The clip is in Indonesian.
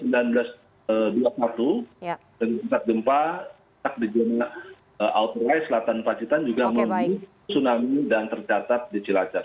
dan setelah gempa setelah digempa outrise selatan pacitan juga menunjukkan tsunami dan tercatat di cilacap